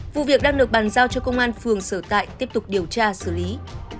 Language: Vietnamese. vụ việc đang được bàn giao cho công an phường sở tại tiếp tục điều tra xử lý